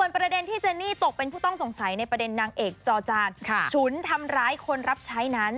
เป็นตอนเอกจอดจานฉุนทำร้ายคนรับใช้นั้น